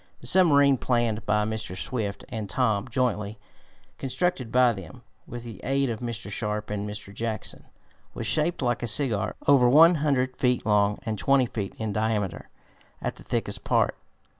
The submarine planned by Mr. Swift and Tom jointly, and constructed by them, with the aid of Mr. Sharp and Mr. Jackson, was shaped like a Cigar, over one hundred feet long and twenty feet in diameter at the thickest part.